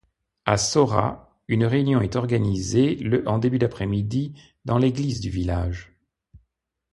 À Saurat, une réunion est organisée le en début d'après-midi dans l'église du village.